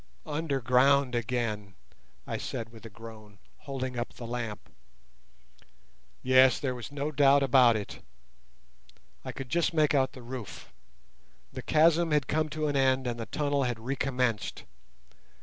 "Underground again," I said with a groan, holding up the lamp. Yes, there was no doubt about it. I could just make out the roof. The chasm had come to an end and the tunnel had recommenced.